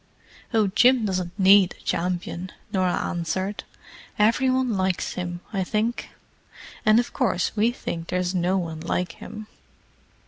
"Oh, Jim doesn't need a champion," Norah answered. "Every one likes him, I think. And of course we think there's no one like him."